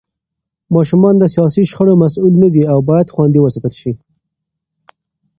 ماشومان د سياسي شخړو مسوول نه دي او بايد خوندي وساتل شي.